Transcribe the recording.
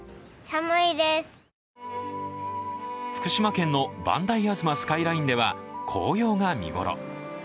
福島県の磐梯吾妻スカイラインでは紅葉が見頃。